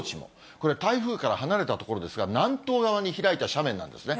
これ、台風から離れた所ですが、南東側に開いた斜面なんですね。